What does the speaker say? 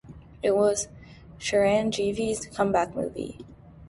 It was Chiranjeevi's comeback movie.